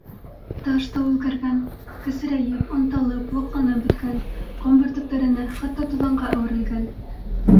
Таш та үҙгәргән: кесерәйеп, онталып, ваҡланып бөткән, ҡом бөртөктәренә, хатта туҙанға әүерелгән.